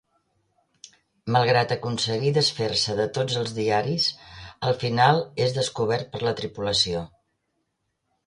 Malgrat aconseguir desfer-se de tots els diaris al final és descobert per la tripulació.